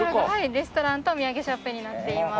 レストランとお土産ショップになっています。